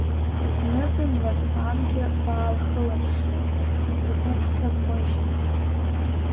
Зны-зынла сангьы баалхылаԥшла, дгәыгәҭабмыжьын.